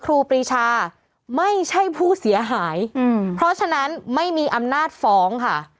ครูปรีชาไม่ใช่ผู้เสียหายเพราะฉะนั้นไม่มีอำนาจฟ้องค่ะ